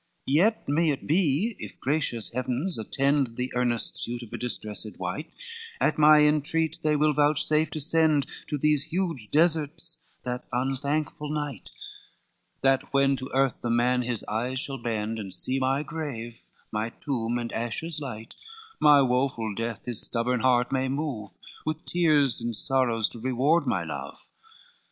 XXI "Yet may it be, if gracious heavens attend The earnest suit of a distressed wight, At my entreat they will vouchsafe to send To these huge deserts that unthankful knight, That when to earth the man his eyes shall bend, And sees my grave, my tomb, and ashes light, My woful death his stubborn heart may move, With tears and sorrows to reward my love.